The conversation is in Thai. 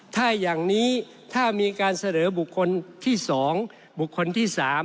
ถ้าอย่างนี้ถ้ามีการเสนอบุคคลที่๒บุคคลที่๓